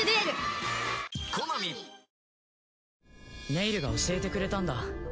ネイルが教えてくれたんだ。